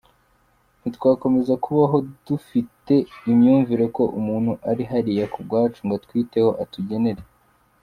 Ntitwakomeza kubaho dufite imyumvire ko umuntu ari hariya ku bwacu, ngo atwiteho, atugenere.